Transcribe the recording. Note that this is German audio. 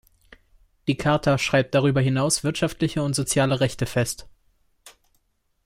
Die Charta schreibt darüber hinaus wirtschaftliche und soziale Rechte fest.